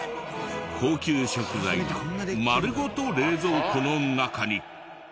高級食材が丸ごと冷蔵庫の中に。